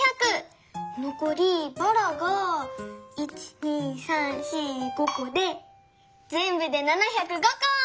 のこりばらが１２３４５こでぜんぶで７０５こ！